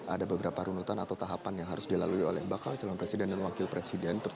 ada beberapa runutan atau tahapan yang harus dilalui oleh bakal calon presiden dan wakil presiden